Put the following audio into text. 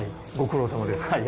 ご苦労さまです。